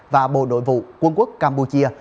và bộ nội vụ quân quốc campuchia